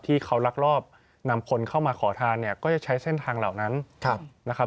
ที่เขาลักลอบนำคนเข้ามาขอทานเนี่ยก็จะใช้เส้นทางเหล่านั้นนะครับ